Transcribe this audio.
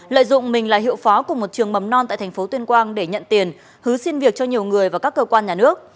lợi dụng mình là hiệu phó của một trường mầm non tại thành phố tuyên quang để nhận tiền hứa xin việc cho nhiều người và các cơ quan nhà nước